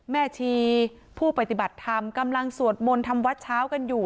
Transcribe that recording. แม่ชีผู้ปฏิบัติธรรมกำลังสวดมนต์ทำวัดเช้ากันอยู่